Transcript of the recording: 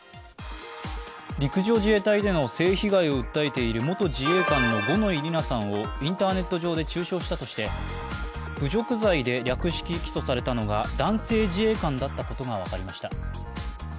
陸上自衛隊での性被害を訴えている元自衛官の五ノ井里奈さんをインターネット上で中傷したとして侮辱罪で略式起訴されたのが男性自衛官だったことが分かりました。